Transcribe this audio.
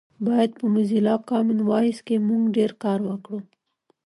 باید په موزیلا کامن وایس کې مونږ ډېر کار وکړو